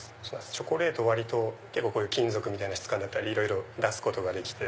チョコレート割と金属みたいな質感だったりいろいろ出すことができて。